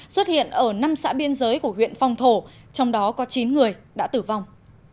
xuất hiện ở năm xã biên giới của huyện phong thổ trong đó có chín người đã tử vong